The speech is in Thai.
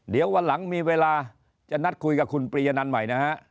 เดี๋ยววันหลังมีเวลาจะนัดคุยกับคุณปริยนันต์ใหม่นะฮะ